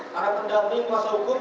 para pendamping kuasa hukum